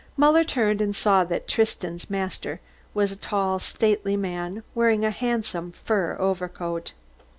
Muller turned and saw that Tristan's master was a tall, stately man wearing a handsome fur overcoat.